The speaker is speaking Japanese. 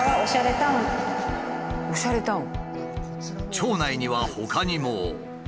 町内にはほかにも。